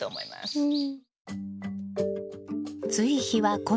うん。